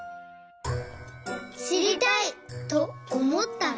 「しりたい！」とおもったら。